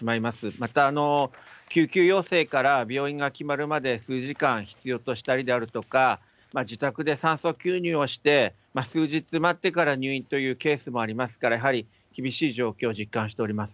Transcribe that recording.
また、救急要請から病院が決まるまで数時間必要としたりであるとか、自宅で酸素吸入をして、数日待ってから入院というケースもありますから、やはり厳しい状況を実感しております。